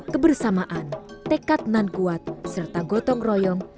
kebersamaan tekad nan kuat serta gotong royong